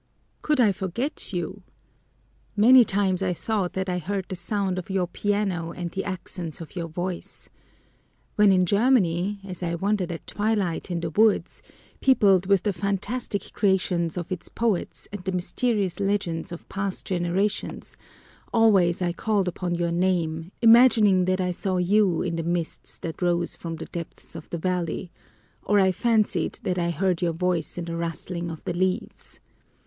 "Could I forget you? Many times have I thought that I heard the sound of your piano and the accents of your voice. When in Germany, as I wandered at twilight in the woods, peopled with the fantastic creations of its poets and the mysterious legends of past generations, always I called upon your name, imagining that I saw you in the mists that rose from the depths of the valley, or I fancied that I heard your voice in the rustling of the leaves.